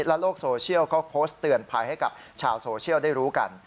และโลกโซเชียลก็โพสต์เตือนภัยให้กับชาวโซเชียลได้รู้กัน